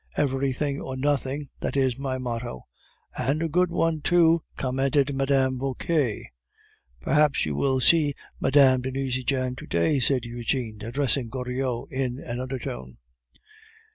Everything or nothing; that is my motto." "And a good one, too," commented Mme. Vauquer. "Perhaps you will see Mme. de Nucingen to day," said Eugene, addressing Goriot in an undertone.